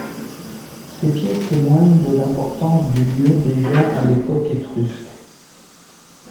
Ces pièces témoignent de l'importance du lieu déjà à l'époque étrusque.